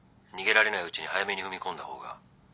逃げられないうちに早めに踏み込んだ方が。